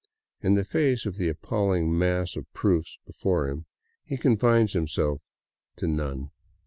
In the face of the appalling mass of proofs before him he confines himself to none.